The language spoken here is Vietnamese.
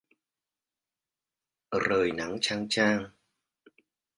Rời nắng chang chang